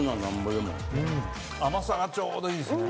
甘さがちょうどいいですね。